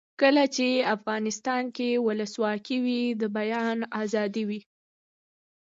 کله چې افغانستان کې ولسواکي وي د بیان آزادي وي.